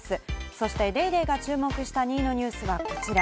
そして『ＤａｙＤａｙ．』が注目した２位のニュースはこちら。